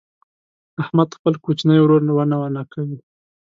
احمد خپل کوچنی ورور ونه ونه کوي.